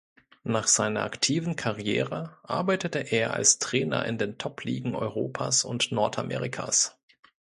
Nach seiner aktiven Karriere arbeitete er als Trainer in den Top-Ligen Europas und Nordamerikas.